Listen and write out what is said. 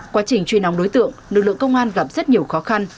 quá trình truy nong đối tượng lực lượng công an gặp rất nhiều khó khăn